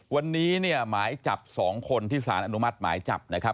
วันนี้เนี่ยหมายจับ๒คนที่สารอนุมัติหมายจับนะครับ